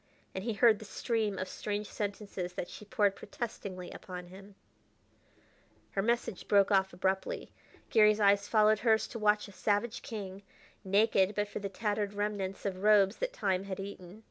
And he heard the stream of strange sentences that she poured protestingly upon him. Her message broke off abruptly. Garry's eyes followed hers to watch a savage king, naked but for the tattered remnants of robes that time had eaten.